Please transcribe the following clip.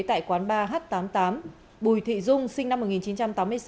tại quán ba h tám mươi tám bùi thị dung sinh năm một nghìn chín trăm tám mươi sáu